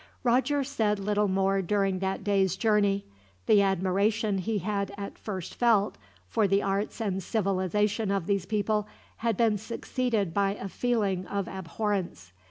Roger said little more during that day's journey. The admiration he had at first felt, for the arts and civilization of these people, had been succeeded by a feeling of abhorrence.